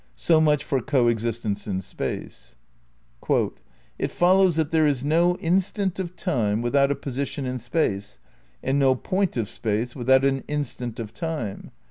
So much for coexistence in Space. "It follows that there is no instant of time without a position in Space and no point of Space without an instant of Time.